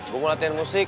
gue mau latihan musik